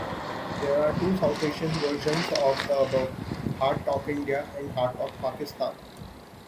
There are two South Asian versions of the above: "Hardtalk India" and "Hardtalk Pakistan".